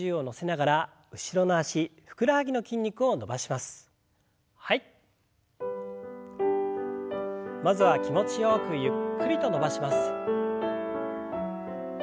まずは気持ちよくゆっくりと伸ばします。